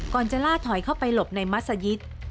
ก่อนจะล่าถอยเข้าไปหลบในมัศยิต